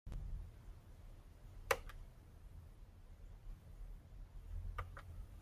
Siniestro, Madelyne Pryor y Gambito.